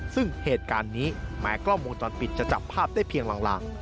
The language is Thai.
ซึ่งเหตุการณ์นี้แม้กล้องวงจรปิดจะจับภาพได้เพียงลาง